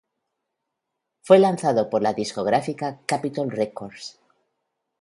Fue lanzado por la discográfica Capitol Records.